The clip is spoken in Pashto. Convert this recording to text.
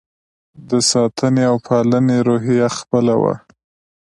د ساتنې او پالنې روحیه خپله وه.